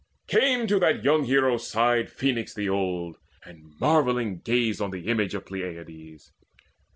Came to that young hero's side Phoenix the old, and marvelling gazed on one The image of Peleides.